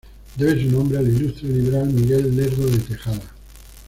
Debe su nombre al ilustre liberal Miguel Lerdo de Tejada.